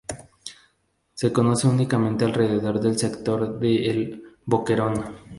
Se conoce únicamente alrededor del sector de El Boquerón.